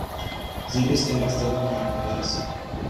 Sie ist in erster Linie ein Beweis.